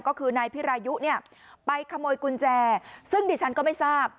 ก็คือนายพิรายุเนี่ยไปขโมยกุญแจซึ่งดิฉันก็ไม่ทราบ